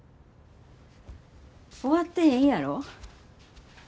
終わってへんやろ。